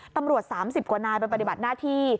ตำรวจ๓๐กว่านายไปปฏิบัติหน้าที่